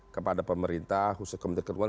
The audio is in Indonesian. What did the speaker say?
kepada pemerintah husus kementerian keunggulan